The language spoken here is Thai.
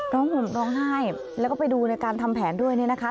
ห่มร้องไห้แล้วก็ไปดูในการทำแผนด้วยเนี่ยนะคะ